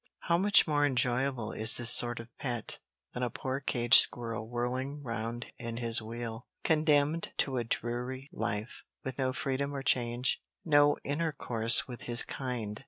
How much more enjoyable is this sort of pet than a poor caged squirrel whirling round in his wheel, condemned to a dreary life, with no freedom or change, no intercourse with his kind.